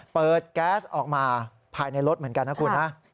เปิดแก๊สออกมาภายในรถเหมือนกันนะครับ